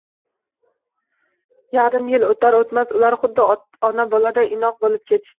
Yarim yil oʻtar-oʻtmas ular xuddi ona-boladay inoq boʻlib ketishdi